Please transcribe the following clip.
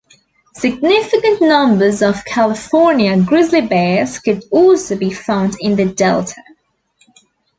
Significant numbers of California grizzly bears could also be found in the Delta.